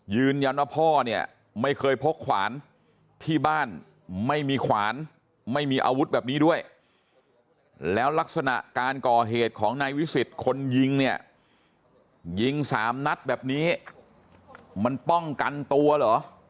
ยืนยันว่าพ่อเนี่ยไม่เคยพกขวานที่บ้านไม่มีขวานไม่มีอาวุธแบบนี้ด้วยแล้วลักษณะการก่อเหตุของนายวิสิทธิ์คนยิงเนี่ยยิงสามนัดแบบนี้มันป้องกันตัวเหรอ